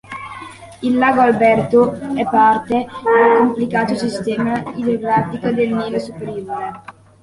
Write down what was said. Il lago Alberto è parte del complicato sistema idrografico del Nilo superiore.